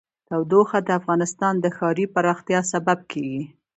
تودوخه د افغانستان د ښاري پراختیا سبب کېږي.